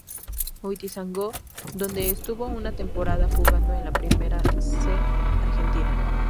Ituzaingó, donde estuvo una temporada jugando en la Primera C argentina.